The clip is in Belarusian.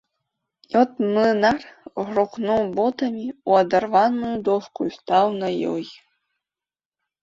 І от млынар грукнуў ботамі ў адарваную дошку і стаў на ёй.